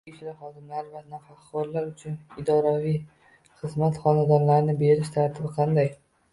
Ichki ishlar xodimlari va nafaqaxo‘rlar uchun idoraviy xizmat xonadonlarini berish tartibi qanday?